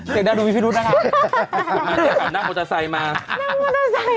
เจ๊ด้านดูพี่พี่รุ๊ดนะคะมาเจ๊ฝันนั่งมอเตอร์ไซค์มานั่งมอเตอร์ไซค์มา